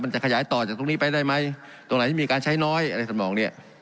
จะขยายต่อจากตรงนี้ไปได้ไหมตรงไหนที่มีการใช้น้อยอะไรสมองเนี่ย